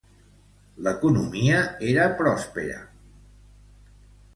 L'economia era pròspera.